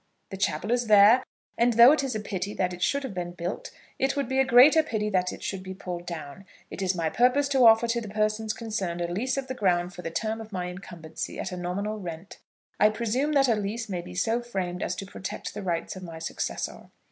The chapel is there, and though it is a pity that it should have been built, it would be a greater pity that it should be pulled down. It is my purpose to offer to the persons concerned a lease of the ground for the term of my incumbency at a nominal rent. I presume that a lease may be so framed as to protect the rights of my successor.